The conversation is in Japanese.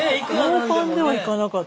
ノーパンでは行かなかった。